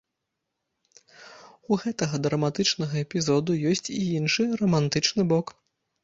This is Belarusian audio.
У гэтага драматычнага эпізоду ёсць і іншы, рамантычны бок.